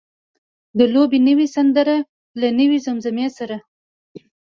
د لوبې نوې سندره له نوې زمزمې سره.